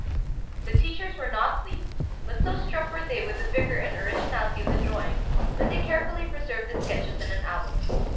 The teachers were not pleased, but so struck were they with the vigor and originality of the drawings, that they carefully preserved the sketches in an album.